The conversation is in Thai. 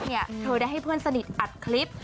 ที่เธอได้เพื่อนสนิทอัดคลิป